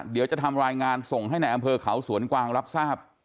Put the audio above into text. เดี๋ยวจะทำรายงานส่งให้ในอำเภอเขาสวนกวางรับทราบ